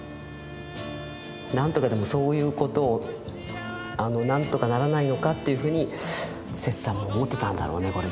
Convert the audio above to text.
何とかでもそういうことを何とかならないのかというふうに摂さんも思ってたんだろうねこれ。